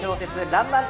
「らんまん」